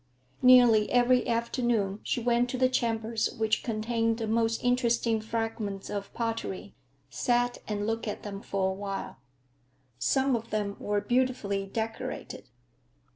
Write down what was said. Nearly every afternoon she went to the chambers which contained the most interesting fragments of pottery, sat and looked at them for a while. Some of them were beautifully decorated.